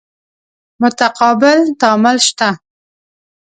متقابل تعامل شته.